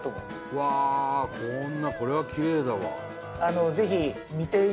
うわこんなこれはきれいだわ。